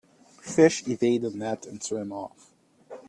Fish evade the net and swim off.